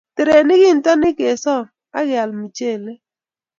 Terenik kintonik kesoom ak keal michelee.